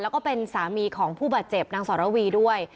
แล้วก็เป็นสามีของผู้บาดเจ็บนางสรวีด้วย